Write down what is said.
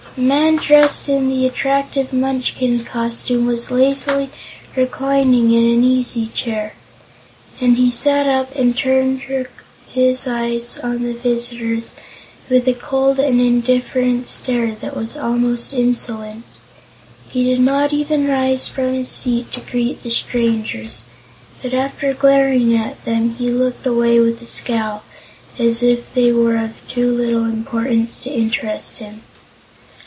A man dressed in the attractive Munchkin costume was lazily reclining in an easy chair, and he sat up and turned his eves on the visitors with a cold and indifferent stare that was almost insolent. He did not even rise from his seat to greet the strangers, but after glaring at them he looked away with a scowl, as if they were of too little importance to interest him.